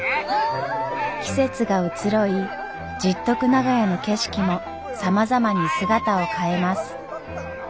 季節が移ろい十徳長屋の景色もさまざまに姿を変えます。